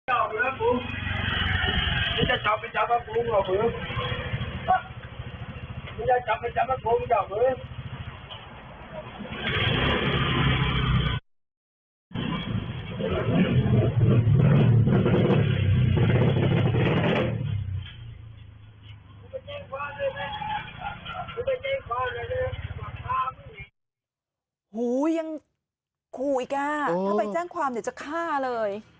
โอ้โหยังขู่อีกอ่ะถ้าไปแจ้งความเดี๋ยวจะฆ่าเลย